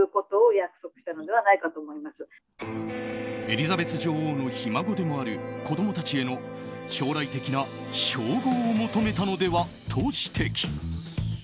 エリザベス女王のひ孫でもある子供たちへの将来的な称号を求めたのではと指摘。